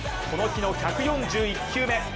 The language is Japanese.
この日の１４１球目。